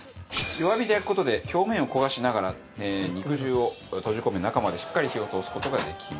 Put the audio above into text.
弱火で焼く事で表面を焦がしながら肉汁を閉じ込め中までしっかり火を通す事ができます。